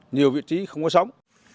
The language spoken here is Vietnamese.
nhiều vị trí không có sóng